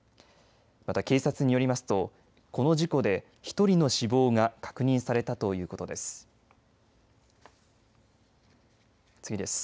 また警察によりますとこの事故で１人の死亡が確認されたということです。